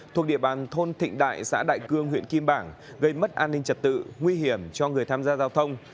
thuộc địa bàn thôn thịnh đại xã đại cương huyện kim bảng gây mất an ninh trật tự nguy hiểm cho người tham gia giao thông